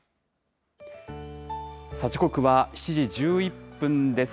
時刻は７時１１分です。